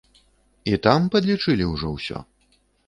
І там падлічылі ўжо ўсё?